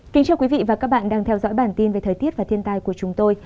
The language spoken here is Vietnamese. cảm ơn các bạn đã theo dõi và ủng hộ cho bản tin thời tiết và thiên tài của chúng tôi